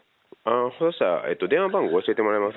そうしたら、電話番号教えてもらえます？